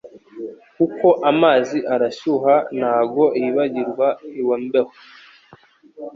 Kuko amazi arashyuha nago yibagirwa iwambeho